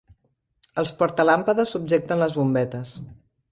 Els portalàmpades subjecten les bombetes.